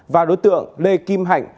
và đối tượng lê kim hạnh